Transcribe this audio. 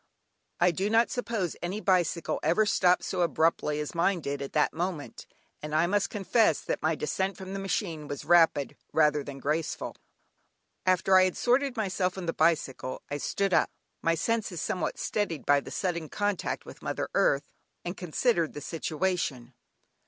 I do not suppose any bicycle ever stopped so abruptly as mine did at that moment, and I must confess that my descent from the machine was rapid rather than graceful. After I had sorted myself and the bicycle, I stood up, my senses somewhat steadied by the sudden contact with mother earth, and considered the situation.